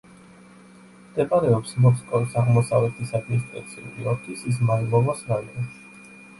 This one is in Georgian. მდებარეობს მოსკოვის აღმოსავლეთის ადმინისტრაციული ოლქის იზმაილოვოს რაიონში.